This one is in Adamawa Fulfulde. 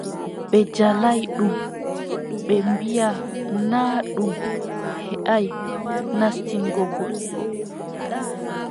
Ɓe njaalaay ɗum ɓe mbiʼa naa ɗum heʼaay nastingo goɗɗo.